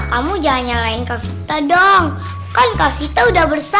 nina kamu jangan nyalain kak vita dong kan kak vita udah bersahab